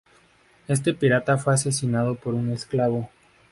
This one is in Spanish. Este pirata fue asesinado por un esclavo.